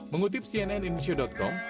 mengutip cnn indonesia com